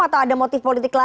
atau ada motif politik